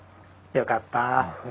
よかった。